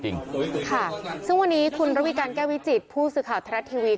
จริงค่ะซึ่งวันนี้คุณระวิการแก้วิจิตผู้สื่อข่าวทรัฐทีวี